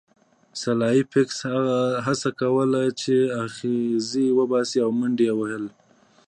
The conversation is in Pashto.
سلای فاکس هڅه کوله چې اغزي وباسي او منډې یې وهلې